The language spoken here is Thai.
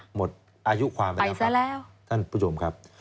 หมดอายุความไปแล้วท่านผู้ชมครับ